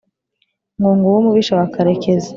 Ngo nguwo umubisha wa Karekezi!